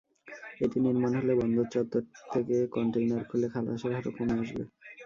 এটি নির্মাণ হলে বন্দর চত্বর থেকে কনটেইনার খুলে খালাসের হারও কমে আসবে।